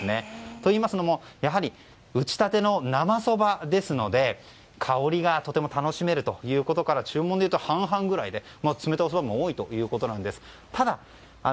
といいますのもやはり打ち立ての生そばですので香りがとても楽しめるということから注文でいうと半々くらいで冷たいおそばも多いということです。